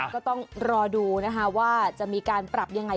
ก็ต้องรอดูนะคะว่าจะมีการปรับยังไง